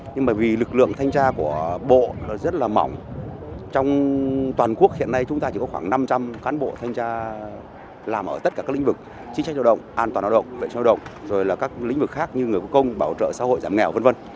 nhưng bởi vì lực lượng thanh tra của bộ rất là mỏng trong toàn quốc hiện nay chúng ta chỉ có khoảng năm trăm linh cán bộ thanh tra làm ở tất cả các lĩnh vực chính trách lao động an toàn lao động vệ sinh lao động rồi là các lĩnh vực khác như người quốc công bảo trợ xã hội giảm nghèo v v